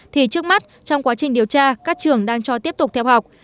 thì trước mắt trong quá trình điều tra các trường đang cho tiếp tục theo học